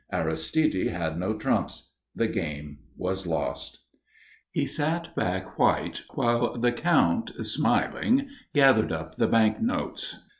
Aristide had no trumps. The game was lost. He sat back white, while the Count smiling gathered up the bank notes.